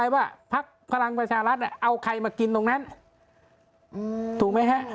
ว่าดิซ้อนเข้าไปเหรอคะ